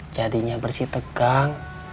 jadinya bersih tegang